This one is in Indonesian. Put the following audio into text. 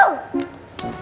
oke guys lanjut